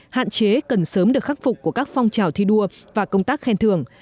hạn chế cần sớm được khắc phục của các phong trào thi đua và công tác khen thường